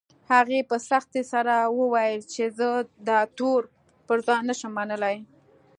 هغې په سختۍ سره وويل چې زه دا تور پر ځان نه شم منلی